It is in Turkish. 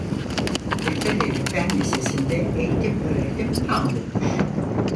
Kırklareli Fen Lisesi'nde eğitim-öğretim tam gündür.